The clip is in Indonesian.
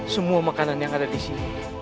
semua makanan yang ada disini